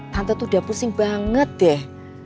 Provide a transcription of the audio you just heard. tante tuh udah pusing banget deh